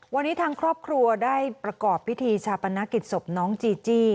วันนี้ทางครอบครัวได้ประกอบพิธีชาปนกิจศพน้องจีจี้